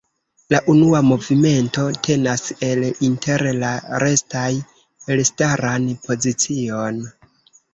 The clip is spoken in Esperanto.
La unua movimento tenas el inter la restaj elstaran pozicion.